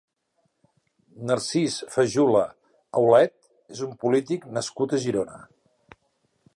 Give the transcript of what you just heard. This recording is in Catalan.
Narcís Fajula Aulet és un polític nascut a Girona.